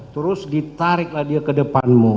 terus ditariklah dia ke depanmu